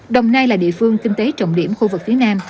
đồng nai là địa phương kinh tế trọng điểm khu vực phía nam